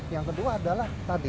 yang kedua adalah tadi